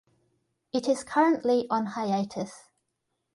It is currently on hiatus.